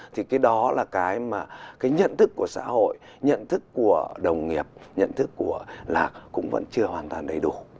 thì cái đó là cái mà cái nhận thức của xã hội nhận thức của đồng nghiệp nhận thức của lạc cũng vẫn chưa hoàn toàn đầy đủ